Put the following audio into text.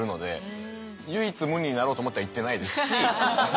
唯一無二になろうと思っては行ってないですし。